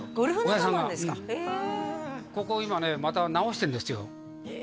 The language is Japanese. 親父さんがここ今ねまた直してるんですよ